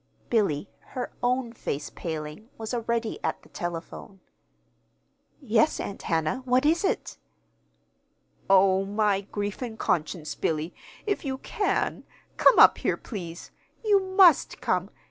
Billy, her own face paling, was already at the telephone. "Yes, Aunt Hannah. What is it?" "Oh, my grief and conscience, Billy, if you can, come up here, please. You must come!